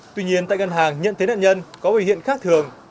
tuy nhiên tại ngân hàng nhận thấy nạn nhân có biểu hiện khác thường